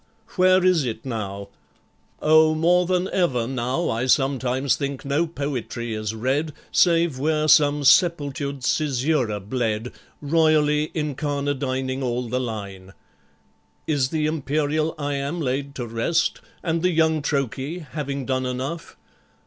Where is it now? Oh, more than ever, now I sometimes think no poetry is read Save where some sepultured Caesura bled, Royally incarnadining all the line. Is the imperial iamb laid to rest, And the young trochee, having done enough?